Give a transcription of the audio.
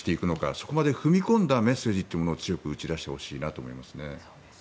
そこまで踏み込んだメッセージというのを強く打ち出してほしいなと思いますね。